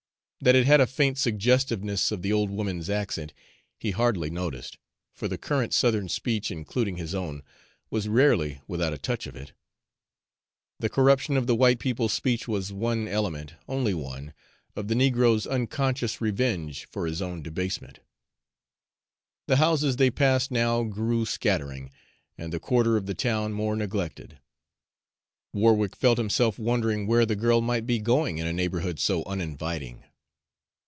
That it had a faint suggestiveness of the old woman's accent he hardly noticed, for the current Southern speech, including his own, was rarely without a touch of it. The corruption of the white people's speech was one element only one of the negro's unconscious revenge for his own debasement. The houses they passed now grew scattering, and the quarter of the town more neglected. Warwick felt himself wondering where the girl might be going in a neighborhood so uninviting.